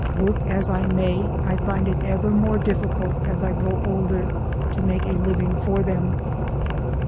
Work as I may, I find it ever more difficult as I grow older to make a living for them."